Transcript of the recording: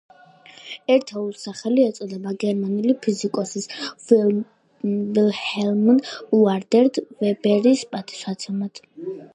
ერთეულს სახელი ეწოდა გერმანელი ფიზიკოსის, ვილჰელმ ედუარდ ვებერის პატივსაცემად.